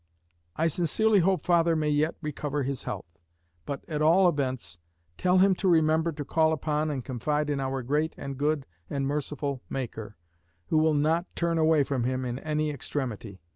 I sincerely hope father may yet recover his health; but, at all events, tell him to remember to call upon and confide in our great and good and merciful Maker, who will not turn away from him in any extremity.